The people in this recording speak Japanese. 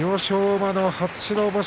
馬が初白星。